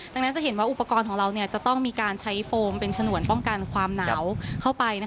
ดังนั้นจะเห็นว่าอุปกรณ์ของเราจะต้องมีการใช้โฟมเป็นฉนวนป้องกันความหนาวเข้าไป